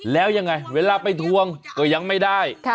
แล้วยังไงเวลาไปทวงก็ยังไม่ได้